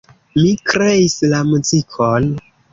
Mi kreis la muzikon.